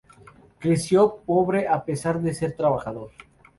Creció pobre a pesar de ser trabajador.